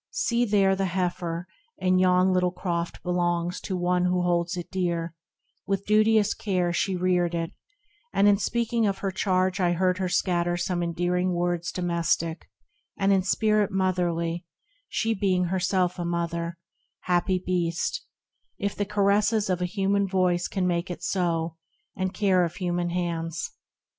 See there The heifer in yon little croft belongs To one who holds it dear ; with duteous care She reared it, and in speaking of her charge I heard her scatter some endearing words Domestic, an^l in spirit motherly, She being herself a mother ; happy Beast, If the caresses of a human voice Can make it so, and care of human hands.